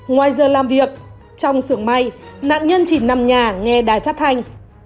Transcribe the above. ngoài giờ làm việc trong sưởng may nạn nhân chỉ nằm nhà nghe đài phát thanh